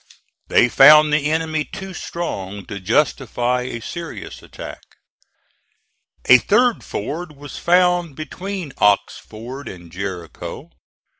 They found the enemy too strong to justify a serious attack. A third ford was found between Ox Ford and Jericho.